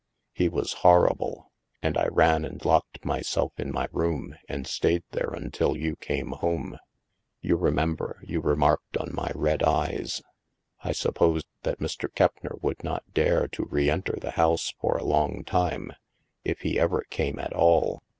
He was horrible, and I ran and locked myself in my room and stayed there until you came home. You remember you remarked on my red eyes. I supposed that Mr. Keppner would not dare to reenter the house for a long time — if he ever came, at all.